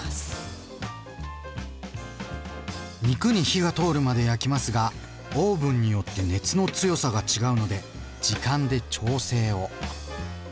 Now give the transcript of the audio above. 肉に火が通るまで焼きますがオーブンによって熱の強さが違うので時間で調整を。